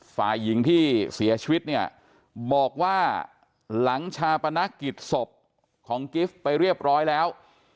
ฝ่ายหญิงที่เสียชีวิตเนี่ยบอกว่าหลังชาปนกิจศพของกิฟต์ไปเรียบร้อยแล้ว